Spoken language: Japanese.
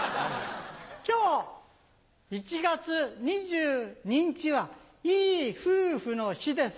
今日１月２２日はいい夫婦の日です。